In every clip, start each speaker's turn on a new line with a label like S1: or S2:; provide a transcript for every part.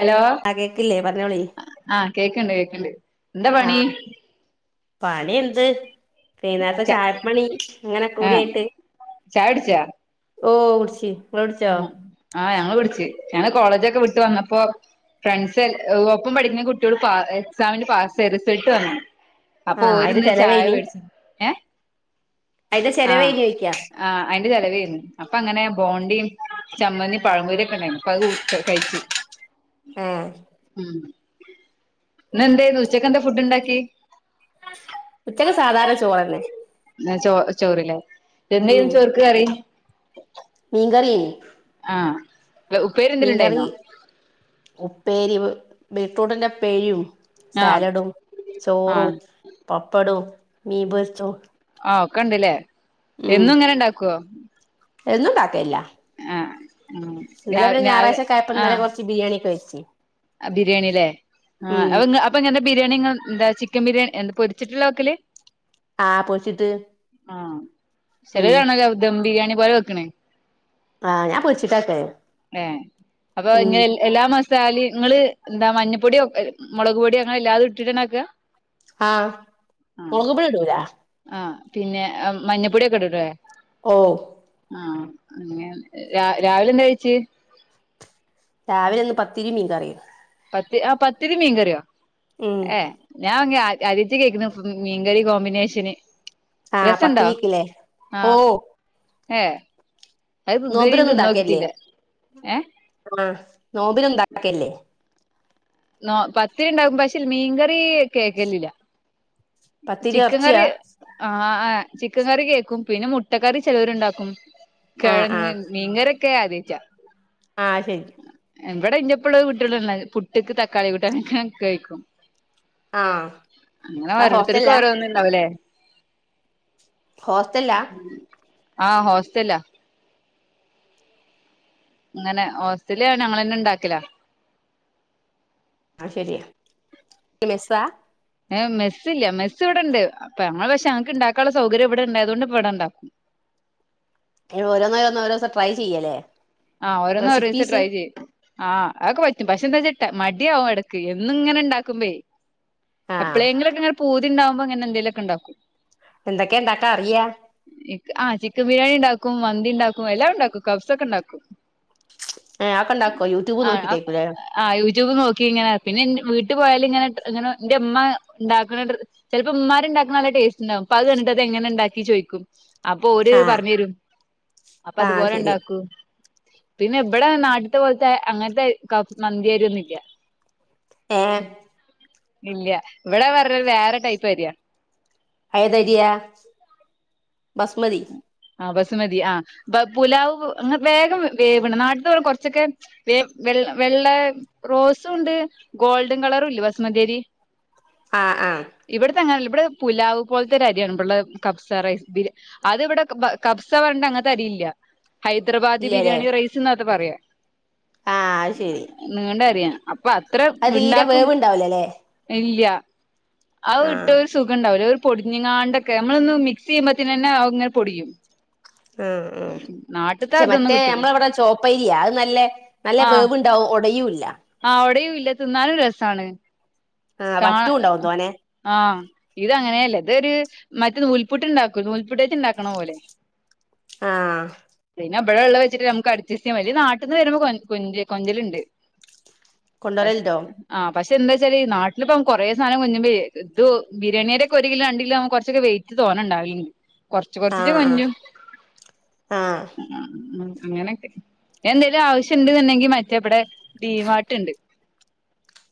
S1: Hello
S2: ആ കേക്കില്ലേ പറഞ്ഞോളി
S1: ആഹ് കേക്ക്‌ണ്ട് കേക്ക്‌ണ്ട് എന്താ
S2: ആ
S1: പണി
S2: പണി എന്ത് വൈന്നേരത്തെ
S1: ച
S2: ചായപ്പണി അങ്ങനെക്കെ
S1: ആഹ്
S2: കൂടായിട്ട്
S1: ചായുടിച്ചാ
S2: ഓഹ് കുടിച്ച്
S1: ആഹ് ആഹ് ഞങ്ങള് ടിച്ചു ഞങ്ങള് കോളേജോക്കെ വിട്ട് വന്നപ്പോ ഫ്രണ്ട്സ് ഒപ്പം പഠിക്കുന്ന കുട്ടിയോള് എക്സാമിന് പാസ്സായി റിസൾട്ട് വന്നു അപ്പൊ
S2: ആ അയിന്റെ
S1: ഓരിന്ന് ചായ
S2: ചെലവേനി
S1: മേടിച്ച ഏഹ്
S2: അയ്ന്റെ ചെലവ്
S1: ആഹ്
S2: അയ്നോക്കാ
S1: ആഹ് അയ്ന്റെ ചിലവായിരുന്നു അപ്പങ്ങനെ ബോണ്ടീം പഴംപൊരി ഒക്കെ ഉണ്ടായിനിം അപ്പ അതു കഴി കഴിച്ചു
S2: ഏഹ്
S1: ഉം ഇന്ന് എന്തായിരുന്നു ഉച്ചക്ക് എന്താ ഫുഡ് ഉണ്ടാക്കി
S2: ഉച്ചക്ക് സാധാരണ ചോറന്നെ
S1: ഇന്നാ ചോ ചോറ്ല്ലേ എന്തേനിം ചോറ്ക്ക് കറി
S2: മീങ്കറി അയ്നിം
S1: ആഹ് ഉപ്പേരി
S2: മീൻ
S1: എന്തേലും
S2: കറി
S1: ഉണ്ടായിന്നോ
S2: ഉപ്പേരി ബീട്രൂട്ടിന്റെ ഉപ്പേരിയും
S1: ആഹ്
S2: സാലഡും ചോറും
S1: ആഹ്
S2: പപ്പടും മീൻ പൊരിച്ചതും
S1: ആഹ് ഒക്കെണ്ടല്ലേ എന്നും ഇങ്ങനെ ഇണ്ടാക്കുവോ
S2: എന്നു ഇണ്ടാക്കലില്ല
S1: ആഹ് ഉം രാ രാവ്
S2: ഞായറാഴ്ചക്കെ ആയപ്പോ ഇന്നലെ
S1: ആഹ്
S2: കൊറച്ച് ബിരിയാണി ഒക്കെ കഴിച്ച്
S1: ബിയാണിലേ ആഹ് അപ്പൊങ്ങാ അപ്പൊങ്ങനന്താ ബിരിയാണി എന്താ ചിക്കൻ ബിരിയാണി എന്ത പൊരിച്ചിട്ടുള്ള വെക്കല്
S2: ആഹ് പൊരിച്ചിട്ട്
S1: ആഹ് ചെലര്
S2: ഉം
S1: കാണാ ദം ബിരിയാണി പോലെ വെക്കണ്
S2: ആഹ് ഞാൻ പൊരിച്ചിട്ടാ വെക്കല്
S1: ഏഹ് അപ്പൊ
S2: ഉം
S1: ഇങ്ങനെ എല്ല- എല്ലാ മസാലേം ഇങ്ങള് എന്താ മഞ്ഞപ്പൊടി ഒക്കെ മുളക് പൊടി അങ്ങനെ എല്ലാതും ഇട്ട്ട്ടാ ഇണ്ടാക്ക
S2: ആഹ് മുളക് പൊടി ഇടൂല
S1: ആഹ് പിന്നെ മഞ്ഞപ്പൊടി ഒക്കെ ഇടുലെ
S2: ഓ
S1: ആഹ് അങ്ങനെ രാ രാവിലെ എന്താ കഴിച്ച്
S2: രാവിലെ ഇന്ന് പത്തിരീം മീൻ കറിയും
S1: പത്തി ആഹ് പത്തിരി മീൻകറിയോ
S2: ഉം
S1: ഏഹ് ഞാൻ അങ്ങ് ആ ആത്യായിറ്റാ കേൾക്ക്‌ണ് മീൻകറി കോമ്പിനേഷന്
S2: ആഹ് പത്തിരീക്ക്‌ ലെ ഓഹ്
S1: എഹ് അത് ഇത് വരേം
S2: നോമ്പിനൊന്നും ഉണ്ടാക്കിയല്ലേ
S1: തിന്നോക്കിട്ടില്ല ഏഹ്
S2: ആഹ് നോമ്പിന് ഉണ്ടാക്കാറില്ലേ
S1: നോ പത്തിരി ഉണ്ടാക്കും പക്ഷെ ല്ലെ മീൻകറി കേൾക്കലില്ല
S2: പത്തിരി
S1: ചിക്കൻ കറി
S2: ഇറച്ചിയാ
S1: ആഹ് ആഹ് ചിക്കൻ കറി കേക്കും പിന്നെ മുട്ട കറി ചെലോര്ണ്ടാക്കും
S2: ആഹ്
S1: കെഴങ്ങ്
S2: ആഹ്
S1: മീൻ കറിയൊക്കെ ആദ്യായിറ്റാ
S2: ആഹ് ശരി
S1: ഇവടെ ഇന്റെ പ്പള്ളൊരു കുട്ടിയേളൊള്ളു ആകെ പുട്ട്ക്ക് തക്കാളി കൂട്ടാനൊക്കെ കഴിക്കും
S2: ആഹ്
S1: അങ്ങനെ
S2: ആ
S1: ഒരോത്തര്ക്ക്
S2: ഹോസ്റ്റലിലാ
S1: ഓരോന്ന് ഉണ്ടാവും ല്ലേ
S2: ഹോസ്റ്റലിലാ
S1: ആഹ് ഹോസ്റ്റലാ അങ്ങനെ ഓസ്റ്റല് ഞങ്ങളെനെ ഇണ്ടാക്കലാ
S2: അത് ശരിയാ മെസ്സാ
S1: ഏഹ് മെസ്സില്ല മെസ്സ്‌ ഇവടെ ഇണ്ട് അപ്പ ഞങ്ങള് പക്ഷേ ഞങ്ങക്ക്ണ്ടാക്കാൻള്ള സൗകര്യം ഇവിടെ ഇണ്ടായതുകൊണ്ട് ഇപ്പ ഇവിടെ ഉണ്ടാക്കും
S2: അങ്ങനെ ഓരോന്ന് ഓരോന്ന് ഓരോദിവസം ട്രൈ ചെയ്യലേ
S1: ആഹ് ഓരോന്ന് ഓരോ ദിവസം ട്രൈ ചെയ്യും ആഹ് അതക്കെ പറ്റും പക്ഷെ എന്താച്ച്ട്ടാ മടിയാവും എടക്ക് എന്നും ഇങ്ങനെ ഉണ്ടാക്കുമ്പേ
S2: ആഹ്
S1: എപ്പളേങ്കിലൊക്കെ ഇങ്ങനെ പൂതിണ്ടാവുമ്പോ അങ്ങനെ എന്തേലൊക്കെ ഉണ്ടാക്കും
S2: എന്തൊക്കെ ഇണ്ടാക്കാ അറിയാ
S1: എനിക്ക് ആ ചിക്കൻ ബിരിയാണി ഉണ്ടാക്കും മന്തി ഉണ്ടാക്കും എല്ലാം ഉണ്ടാക്കും കബ്സ ഒക്കെ ഉണ്ടാക്കും
S2: ഏഹ് അതൊക്കെ ഉണ്ടാക്കോ യൂട്യൂബ്
S1: ആഹ് അ
S2: നോക്കിട്ടേയ്ക്കും ല്ലേ
S1: ആഹ് യൂട്യൂബ് നോക്കി ഇങ്ങനെ പിന്നെ ന്റെ വീട്ട് പോയാല് ഇങ്ങനെ ഇങ്ങനെ എന്റെ ഉമ്മ ഉണ്ടാക്കണ ട്രി ചെലപ്പൊ ഉമ്മാര് ഇണ്ടാക്കണ നല്ല ടേസ്റ്റ്ണ്ടാവും അപ്പ അത് കണ്ടിട്ട് അത് എങ്ങനെ ഉണ്ടാക്കി ചോയ്ക്കും. അപ്പൊ ഓര്
S2: ആഹ്
S1: പറഞ്ഞു തരും അപ്പൊ
S2: ആഹ്
S1: അതുപോലെ
S2: ശരി
S1: ഉണ്ടാക്കും. പിന്നെ ഇബടെ നാട്ട്ത്തെ പോലത്തെ അങ്ങൻത്തെ കാഫ് മന്തി അരി ഒന്നില്ല
S2: ഏഹ്
S1: ഇല്ല്യ ഇവിടെ വെർണത് വേറെ ടൈപ്പ് അരിയാ
S2: ഏത് അരിയാ ബസ്മതി
S1: ആഹ് ബസുമതി ആഹ് ബ പുലാവ് അങ്ങന വേഗം വേവണ് നാട്ടത്തെ പറഞ കുറച്ചൊക്കെ വെ വെള്ള വെള്ള റോസും ഉണ്ട് ഗോൾഡൻ കളറും ഇല്ലെ ബസുമതിഅരി
S2: ആഹ് ആഹ്
S1: ഇവിടത്തെ അങ്ങനെ അല്ല ഇവിടെ പുലാവ് പോലത്തെ ഒരു അരിയാണ് ഇവിടെ കബ്സ റൈസ് ബിരി അത് ഇവിടെ ക് ബ കബ്സ പറഞ്ഞിട്ട് അങ്ങനത്തെ അരിയില്ല ഹൈദരാബാദി
S2: ഇല്ലല്ലേ
S1: ബിരിയാണി റൈസ് ന്നാ അത് പറയാ
S2: ആഹ് അത് ശരി
S1: നീണ്ട അരിയ അപ്പൊ അത്ര
S2: അത് തീരെ
S1: ഇണ്ടാക്കും
S2: വേവുണ്ടാവൂലല്ലേ
S1: ഇല്യ അത്
S2: ആഹ്
S1: ഇട്ട് സുഖം ഇണ്ടാവില്ല ഒരു പൊടിഞ് ങ്ങാണ്ടൊക്കെ നമ്മളൊന്ന് മിക്സ് ചെയ്യുമ്പത്തിനനെ അത് ഇങ്ങനെ പൊടിയും
S2: ആഹ് ആഹ്
S1: നാട്ടിത്തെ
S2: പക്ഷെ
S1: അതൊന്നും
S2: മറ്റേ
S1: കിട്ടൂല
S2: നമ്മളവടെ ചോപ്പരിയാ അത് നല്ല നല്ല
S1: ആഹ്
S2: വേവ് ണ്ടാവും ഒടയൂല്ല
S1: ആഹ് ഓടയൂല്ല തിന്നാലും രസമാണ്
S2: ആഹ്
S1: കാ
S2: വറ്റുണ്ടാവും തോനെ
S1: ആഹ് ഇത് അങ്ങനെയല്ല ഇതൊരു മറ്റ് നൂൽപുട്ട് ഉണ്ടാക്കു നൂൽപുട്ടേച്ച് ഉണ്ടാക്കണ പോലെ
S2: ആഹ്
S1: പിന്നെ അപ്പഴൊള്ള വെച്ചിട്ട് നമുക്ക് അട്ജെസ്റ്റ്ചെയ്യാം വല്ല്യ നാട്ടിന്ന് വരുമ്പോ കൊഞ്ച് കൊഞ്ചലുണ്ട്
S2: കൊണ്ടുവരലുണ്ടോ
S1: [unintelligible] ആഹ് പക്ഷെ എന്തച്ചാല് നാട്ടിലിപ്പം കൊറെ സധനം കൊഞ്ചുമ്പഴെ ഇത് ബിരിയാണിയുടെക്കെ ഒരു കിലോ രണ്ട് കിലോ ആകുമ്പം കൊറച്ചൊക്കെ വെയി റ്റ് തോന്നെ ഉണ്ടാവില് കൊറച്ച് കൊറച്ചിട്ട
S2: ആഹ് ആഹ്
S1: കൊഞ്ചു
S2: ആഹ്
S1: ഉ അങ്ങനൊക്കെ എന്തേലും ആവശ്യമുണ്ട്ന്നുണ്ടെങ്കിൽ മറ്റേവിടെ ജീമാട്ടുണ്ട്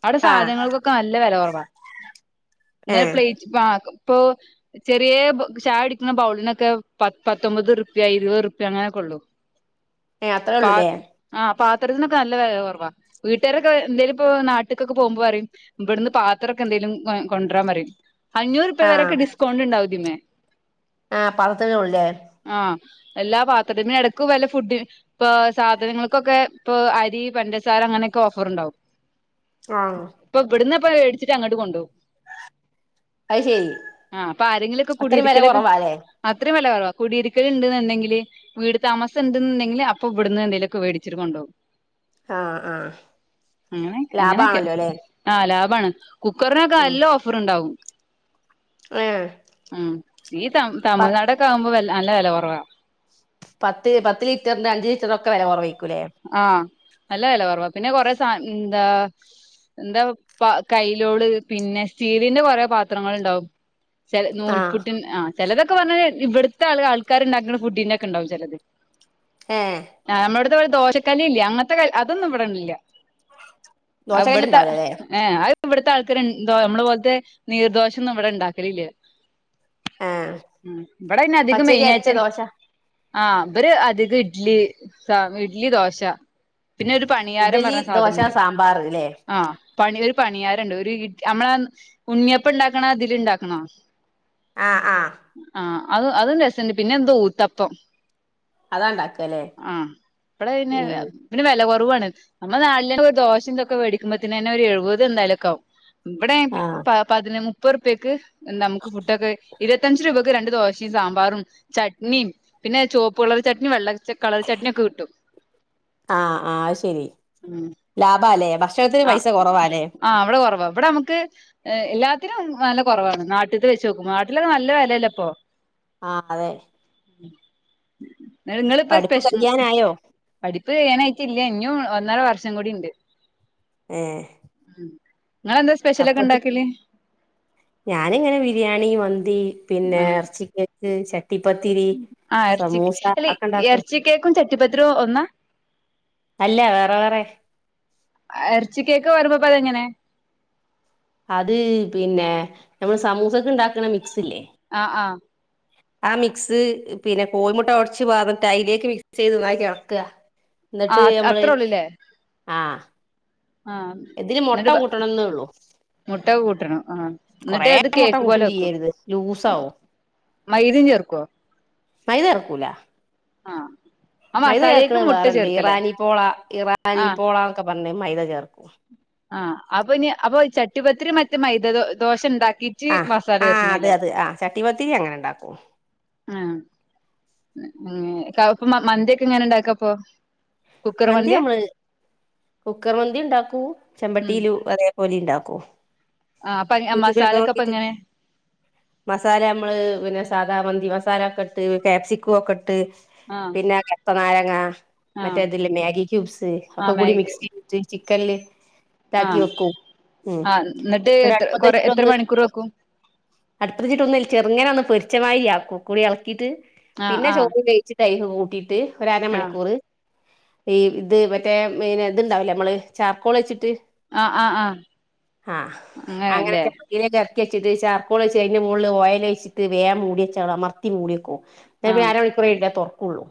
S1: അവിടെ
S2: ആഹ്
S1: സാധനങ്ങൾക്കൊക്കെ നല്ല വില കുറവാ ഇന്നലെ
S2: ഏഹ്
S1: പ്ലേറ്റ് പാ ഇപ്പൊ ചെറിയ ചായ കുടിക്കുന്ന ബൗളിനൊക്കെ പ പത്തൊമ്പത് റുപ്യ ഇരുപത് റുപ്യ അങ്ങനെക്കെ ഉള്ളു
S2: ഏഹ് അത്രേ
S1: പ
S2: ഉള്ളൂല്ലേ
S1: ആഹ് പാത്രത്തിനൊക്കെ നല്ല വേല കുറവാ വീട്ടുകാരൊക്കെ എന്തേലും ഇപ്പോ നാട്ടിക്കൊക്കെ പോകുമ്പോ പറയും ഇവിടുന്ന് പാത്രക്കെ എന്തെലും കൊ കൊണ്ടുവരാൻ പറയും അഞ്ഞൂറുപ്യ
S2: ആഹ്
S1: വരൊക്കെ ഡിസ്കൗണ്ട് ഉണ്ടാവും ഇതിമ്മേ
S2: ആഹ് പറത്തനല്ലേ
S1: ആഹ് എല്ലാ പാത്രത്തിൻമേ എടക്ക് വല്ല ഫുഡ് ഇപ്പ സാധനങ്ങൾക്കൊക്കെ ഇപ്പൊ അരി പഞ്ച സാര അങ്ങനക്കെ ഓഫർ ഉണ്ടാവും
S2: ആഹ്
S1: പ്പൊ ഇവ്ട്ന്ന് പ്പൊ വേടിച്ചിട്ട് അങ്ങട്ട് കൊണ്ടോവും
S2: അത് ശരി
S1: ആഹ് അപ്പ ആരെങ്കിലൊക്കെ
S2: അത്രയും വില
S1: കുടിയിരിക്കലൊക്കെ
S2: കുറവാല്ലേ
S1: അത്രയും വെല കുറവാ കുടിയിരിക്കല് ണ്ട് ന്ന്ണ്ടെങ്കിൽ വീട് താമസം ണ്ട് ന്ന്ണ്ടെങ്കില് അപ്പോ ഇവിടുന്ന് എന്തെലൊക്കെ വേടിച്ചിട്ടു കൊണ്ടോവും
S2: ആഹ് ആഹ്
S1: അങ്ങനെ അങ്ങനെയൊക്കെ
S2: ലാഭാണല്ലോ അല്ലേ
S1: ആഹ് ലാഭാണ് കുക്കറിനൊക്കെ
S2: ഉം
S1: നല്ല ഓഫർ ഉണ്ടാവും
S2: ഏഹ്
S1: ഉം ഈ തം
S2: പ
S1: തമിഴ്നാടൊക്കെ ആകുമ്പോ വ നല്ല വില കുറവാ
S2: പത്ത് പത്ത് ലിറ്ററിന്റെ അഞ്ച് ലിറ്ററൊക്കെ ഒക്കെ കുറവയ്കുലേ
S1: ആഹ് നല്ല വില കൊറവാ പിന്നെ കൊറെ സാൻ എന്താ എന്താ പ കൈയിലോട് പിന്നെ സ്റ്റീലിന്റെ കൊറെ പാത്രങ്ങളുണ്ടാവും ചില
S2: ആഹ്
S1: നൂൽപുട്ടി ആ ചിലതൊക്കെ പറഞ മാരി ഇവിടുത്തെ ആ ആൾക്കാരുണ്ടാക്കുന്ന ഫുഡീന്റെ ഒക്കെ ഉണ്ടാവും ചിലത്
S2: ഏഹ്
S1: ആ നമ്മുടെ ഇടുത്തെ പോലെ ദോശക്കല്ല് ഇല്ലേ അങ്ങനത്തെ ക അതൊന്നും ഇവിടെല്യ
S2: ദോശകല്ല്
S1: അവിട്ത്തെ
S2: ഉണ്ടാവൂലല്ലേ
S1: ഏഹ് അത് ഇവിടുത്തെ ആൾക്കർ എന്തോ നമ്മെളെ പോലത്തെ നീർദോശ ഒന്നും ഇവിടെ ഉണ്ടാക്കലില്ല
S2: ആഹ്
S1: മ് ഇവടെ പിന്നെ അധികം
S2: പച്ചരി അരച്ച
S1: മെയിനായിട്ട്
S2: ദോശ
S1: ആഹ് ഇവര് അധികം ഇഡ്ലി സാ ഇഡ്ലി ദോശ പിന്നെ ഒരു പണിയാരം
S2: ഇഡലി
S1: പറഞ്ഞ
S2: ദോശ
S1: സാധനുണ്ട്
S2: സാമ്പാർ ല്ലേ
S1: ആഹ് പണി ഒരു പണിയാരണ്ട് ഒരു ഇട് നമ്മള ഉണ്ണിയപ്പം ഉണ്ടാക്കണ ഇതിലുണ്ടാക്കണാ
S2: ആഹ് ആഹ്
S1: ആ അത് അതും രസണ്ട് പിന്നെ എന്തോ ഊത്തപ്പം
S2: അതാണ്ടാക്കല്ലേ
S1: ഐന് പിന്നെ വെല കൊറവാണ് നമ്മളെ നാട്ടിലന്നെ ഒരു ദോശ ഇതൊക്കെ വേടിക്കുമ്പോത്തനന്നെ ഒരു എഴുപത് എന്തായാലും ഒക്കെ ആവും ഇവടെ
S2: ആഹ്
S1: പാ പതിന് മുപ്പത് ഉറുപ്പ്യക്ക് നമുക്ക് ഫുഡൊക്കെ ഇരുപത്തഞ്ച് രൂപക്ക് രണ്ട് ദോശിം സാമ്പാറും ചട്നിം പിന്നെ ചോപ്പ് കളറ് ചട്നിം വെള്ള കളർ ചട്നി ഒക്കെ കിട്ടും
S2: ആഹ് ആ ശരി ലാഭാലെ ഭക്ഷ
S1: അഹ് ആഹ് ഇവടെ കൊറവാ ഇപടെ നമ്മക്ക് എല്ലാത്തിനും നല്ല കുറവാണ് നാട്ടിത്തെ വെച്ച് നോക്കുമ്പോ നാട്ടിലൊക്കെ നല്ല വെലല്ലേ ഇപ്പൊ
S2: ആഹ് അതെ
S1: നിട്ട് നിങ്ങള്പ്പോ
S2: പഠിപ്പ്
S1: സ്പെഷ് ഉം
S2: കഴിയാനായോ
S1: പഠിപ്പ് കയ്യാനായിട്ടില്ല്യ ഇഞ്ഞും ഒന്നര വർഷം കൂടി ഇണ്ട്
S2: ഏഹ്
S1: ഉം ഇങ്ങളെന്താ സ്പെഷ്യല് ഒക്കെ
S2: അപ്പത്
S1: ഇണ്ടാക്കല്
S2: ഞാനിങ്ങനെ ബിരിയാണി മന്തി പിന്നെ എറച്ചി ചിക്കൻക്ക് ച ട്ടിപ്പത്തിരി
S1: ആ എറച്ചി
S2: സമൂസ
S1: അല്ല
S2: അതൊക്കെ ഇണ്ടാക്കും
S1: എറച്ചി കേക്കും ചട്ടിപ്പത്തിരിയും ഒന്നാ
S2: അല്ല വേറെ വേറെ
S1: ഇറച്ചിക്കേക്ക് പറയുമ്പോ പ്പ അതെങ്ങനെ
S2: അത് പിന്നെ നമ്മൾ സമൂസക്ക്ണ്ടാക്കണ മിക്സ് ല്ലേ
S1: അഹ് ആഹ്
S2: ആ മിക്സ് പിന്നെ കോഴിമുട്ട ഒടച്ച് പാർന്നിട്ട് അതിലേക്ക് മിക്സ് ചെയ്ത് ഒന്നായിറ്റ് ഇളക്കുക
S1: ആ
S2: എന്നിട്ട് നമ്മള്
S1: അത്രേ
S2: ആഹ്
S1: ആഹ്
S2: ഇതില് മുട്ട
S1: ഇന്നിട്ട് ബ
S2: കൂട്ടണംന്നേ ഉള്ളൂ
S1: മുട്ട കൂട്ടണം ആഹ്
S2: കൊറേ
S1: എന്നിട്ട് അത്
S2: മുട്ട
S1: കേക്ക്
S2: കൂട്ടും
S1: പോലെ വെക്കും.
S2: ചെയ്യരുത് ലൂസാവും
S1: മൈദ ചേർക്കോ
S2: മൈദ ചേർകൂലാ
S1: ആഹ്
S2: മൈദ ചേർക്ക്ണത് വേറണ്ട് ഇറാനി പോള ഇറാനി
S1: ആ
S2: പോള എന്നൊക്കെ പറഞതിന് മൈദ ചേർക്കും.
S1: ആഹ് അപ്പൊ ഇഞ് അപോ ചട്ടിപത്തിരി മറ്റേ മൈദ ദോ ദോശണ്ടാക്കീട്ട് മസാല ചേർക്കണത് ലേ
S2: ചട്ടി പത്തിരി അങ്ങനെണ്ടാക്കും.
S1: ആഹ് അങ്ങനെ കാക്കു മ മന്തിയെക്കെ എങ്ങനെ ഇണ്ടാക്കാ അപ്പൊ കുക്കർ
S2: മന്തി
S1: മന്തിയാ
S2: നമ്മള് കുക്കർ മന്തി ഇണ്ടാക്കൂ
S1: ഉം
S2: ചെമ്പട്ടിയില് അതേ പോലെ ഇണ്ടാക്കും
S1: ആ അപ്പൊ
S2: യൂടൂബിലൊക്കെ
S1: മസാലൊക്കെ അപ്പൊ
S2: നോക്കീട്ട്
S1: എങ്ങനെ
S2: മസാല നമ്മള് പിന്നെ സാധാ മന്തി മസാല ഒക്കെ ഇട്ട് ക്യാപ്സിക്കം ഒക്കെ ഇട്ട്.
S1: ആ
S2: പിന്നെ കർത്തനാരങ്ങ.
S1: ആ
S2: ട്ട അതില് മേഗി ക്യൂബ്സ്
S1: ആ
S2: ഒക്കെ കൂടി
S1: മാഗി
S2: മിക്സ് ചെയ്തിട്ട് ചിക്കൻല് താക്കി
S1: ആഹ്
S2: വെക്കും ഉം
S1: ആഹ് എന്നിട്ട്
S2: ഇന്നിട്ട്
S1: എത്ര
S2: അട്പ്പത്ത്
S1: കൊറെ എത്ര
S2: വച്ചിട്ടൊന്ന്.
S1: മണിക്കൂർ വെക്കും
S2: അട്പ്പത്ത് വെച്ചിട്ട് ഒന്ന് ചെറുങ്ങനെ ഒന്ന് പൊരിച്ചമാതിരി ആക്കും ഒക്കക്കൂടി ഇളക്കിയിട്ട്
S1: ആഹ്
S2: പിന്നെ
S1: ആഹ്
S2: ചോറ് വോവിച്ച് തൈര് കൂട്ടിയിട്ട് ഒരു അരമണിക്കൂറ് ഈ ഇത് മറ്റേ പിന്നെ ഇത്ണ്ടാവില്ലേ നമ്മള് ചാർക്കോൾ വെച്ചിട്ട്.
S1: ആഹ് ആഹ് ആഹ് ആഹ്
S2: ആഹ്
S1: അങ്ങനെല്ലേ
S2: അങ്ങനെക്കെ ഇതിലേക്ക് ഇറക്കി വച്ചിട്ട് ചർക്കോള് വെച്ച് അതിന്റെ മുകളിൽ ഓയിൽ ഒയിച്ചിട്ട് വേഗം മൂടി വച്ച് അങ്ങട് അമർത്തി മൂടിവെക്കും. നേ പിന്നെ
S1: ആഹ്
S2: ആര മണിക്കുർ കഴിഞ്ഞിട്ടെ തുറക്കുള്ളൂ.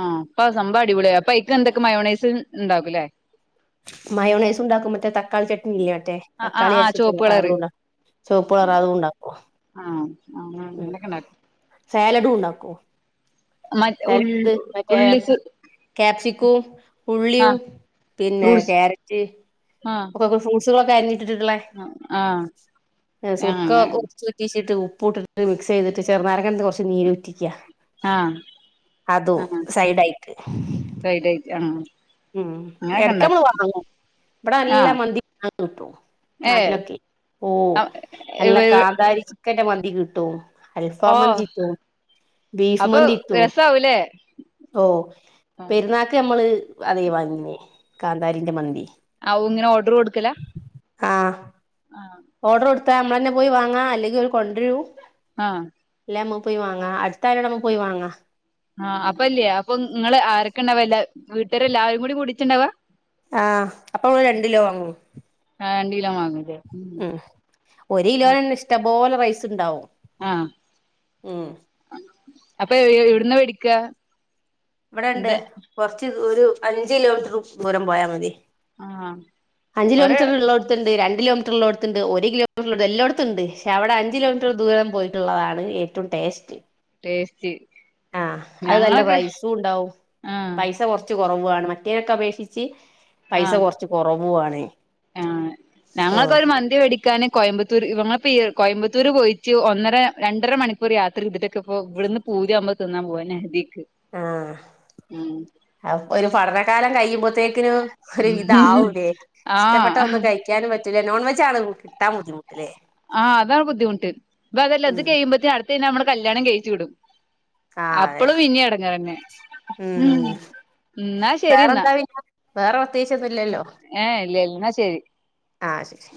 S1: ആഹ് അപ്പ സംഭവം അടിപൊളിയായി അപ്പൊ അതിൽക്ക് എന്തൊക്കെ മയോണൈസ് ഇണ്ടാകുലേ
S2: മയോണൈസ് ഉണ്ടാക്കും മറ്റേ തക്കാളി ചട്ട്നി ഇല്ലേ മറ്റേ
S1: ആഹ് ആഹ്
S2: തക്കാളി
S1: ആഹ്
S2: അരച്ച്
S1: ചുവപ്പ്
S2: വെച്ചതില്ലേ
S1: കളറ്
S2: ആതുണ്ടാ ചുവപ്പ് കളറ് ആതും ഉണ്ടാക്കും
S1: ആഹ് അങ്ങനെ
S2: ഉം
S1: അങ്ങനെക്കെ ഇണ്ടാക്കും
S2: സാലഡും ഉണ്ടാക്കോ.
S1: മ ഉള്ള ഉള്ളി സു.
S2: ക്യാപ്സിക്കവും ഉള്ളിയും പിന്നെ
S1: ഫ്രൂട്ട്സ്
S2: ക്യാരറ്റ്
S1: ആഹ്
S2: ഫ്രൂട്സുകൾ ഒക്കെ അരഞ്ഞിട്ടിട്ടുള്ള
S1: ആഹ്
S2: ഏഹ് സുർക്ക
S1: അങ്ങനെ
S2: [unintelligible] ഉറ്റീച്ചിട്ട് ഉപ്പ് ഇട്ട് മിക്സ് ചെയ്തിട്ട് ചെറുനാരങ്ങക്കിന്ന് കുറച്ച് നീര് ഉറ്റിക്കുക.
S1: ആഹ്
S2: അതും
S1: ആഹ്
S2: സൈഡായിട്ട്
S1: [unintelligible] ആഹ്
S2: ഉം
S1: അങ്ങനൊക്കെ
S2: ഇടക്ക് നമ്മള്
S1: ഉണ്ടാക്കും
S2: വാങ്ങും ഇവിടെ നല്ലാ
S1: ആഹ്
S2: മന്തി വാങ്ങൻ കിട്ടും.
S1: ഏഹ്
S2: നാട്ടിലൊക്കെ ഓഹ് നല്ല കാന്താരി ചിക്കന്റെ മന്തി കിട്ടും അൽഫാം
S1: ഓഹ്
S2: മന്തി കിട്ടും. ബീഫ്
S1: അപ്പൊ
S2: മന്തി കിട്ടുവോ
S1: രസാവൂലേ
S2: ഓഹ്
S1: ആ
S2: പെരുനാള്ക്ക് അത് നമ്മള് അതെ വാങ്ങിനെ കാന്താരിന്റെ മന്തി.
S1: ഔ ഇങ്ങനെ ഓർഡർ കൊടുക്കലാ
S2: ആഹ്
S1: ആഹ്
S2: ഓർഡർ കൊടുത്താ നമ്മൾ തന്നെ പോയി വാങ്ങാം അല്ലെങ്കിൽ ഓല് കൊണ്ടുരും.
S1: ആഹ്
S2: അല്ല നമ്മക്കും പോയി വാങ്ങ അടുത്തായിനോട് നമ്മക്ക് പോയി വാങ്ങ.
S1: ആഹ് അപ്പം അല്ലേ അപ്പൊ ഇങ്ങള് ആരൊക്കെ ഇണ്ടവാ എല്ലാ വീട്ടുകാര് എല്ലാവരും കൂടി കുടിറ്റ് ഇണ്ടവാ.
S2: ആഹ് അപ്പൊ ഇങ്ങള് രണ്ടി കിലോ വാങ്ങേ
S1: ആഹ് രണ്ട് കിലോ വാങ്ങുവല്ലേ. ഉം
S2: ഉം ഒരു കിലോൻ തന്നെ ഇഷ്ട പോലെ റൈസ് ഇണ്ടാവും.
S1: ആഹ്
S2: ഉം
S1: അപ്പൊ എവിടന്നാ മേടിക്കാ.
S2: ഇവിടെ ഇണ്ട് കൊറച്ച് ഒരു അഞ്ച് കിലോമീറ്റർ ദൂരം പോയാൽ മതി.
S1: ആഹ്
S2: അഞ്ച്
S1: കൊറെ
S2: കിലോമീറ്റർ ഉള്ളടെത്തുണ്ട്. രണ്ട് കിലോമീറ്റർ ഉള്ളടെത്തുണ്ട്. ഒരു കിലോ എല്ലായിടത്തുണ്ട് പക്ഷെ അവിടെ അഞ്ച് കിലോമീറ്റർ ദൂരം പോയിട്ടുള്ളതാണ് ഏറ്റവും ടേസ്റ്റ്.
S1: ടേസ്റ്റ്.
S2: ആഹ് അത് നല്ല
S1: ഞങ്ങളൊക്കെ
S2: റൈസും ഉണ്ടാവും.
S1: ആഹ്
S2: പൈസ കൊറച്ച് കുറവാണ് മറ്റേനൊക്കെ അപേക്ഷിച്ച്. പൈസ
S1: ആഹ്
S2: കൊറച്ച് കൊറവുവാണ്
S1: ആഹ്
S2: ഓഹ്
S1: ഞങ്ങൾക്കൊരു മ ന്തി മേടിക്കാന് കോയമ്പത്തൂർ ഇവങ്ങ കോയമ്പത്തൂർ പോയിട്ട് ഒന്നര രണ്ടര മണി ഇപ്പയൊരു യാത്ര ചെയ്തിട്ടൊക്കെ ഇപ്പ ഇവിടന്ന് പൂതീയാവുമ്പോ തിന്നാൻ പോയാന് നഹ്ദിക്ക് ഉ
S2: ആഹ് ഒരു പഠനകാലം കഴിയുമ്പോത്തേക്കിന് ഒരു വിതാവൂലേ ഇഷ്ടപ്പെട്ട
S1: ആഹ്
S2: ഒന്ന് കഴി കഴിക്കാനും പറ്റൂല്ല. നോൺ വെജ് ആണ് കിട്ടാൻ ബുദ്ധിമുട്ട് അല്ലേ.
S1: ആഹ് അതാണ് ബുദ്ധിമുട്ട്. ഇത് അതല്ല ഇത്
S2: ഉം
S1: കഴിയ്പത്തേ അടുത്തിന് നമ്മടെ കല്യാണം കഴിച്ചു വിടും.
S2: ആ അതെ
S1: അപ്പളും പിന്നെ എടങ്ങേറ് തന്നെ ഉം. എന്നാ ശരി എന്നാ
S2: വേറെന്താ പിന്നെ വേറെ പ്രത്യേകിച്ചൊന്നുംല്ലല്ലോ
S1: ഏഹ് ഇല്ല എന്നാ ശരി.
S2: ആഹ് ശരി.